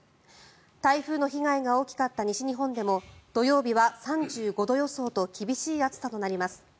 台風の被害が大きかった西日本でも土曜日は３５度予想と厳しい暑さとなります。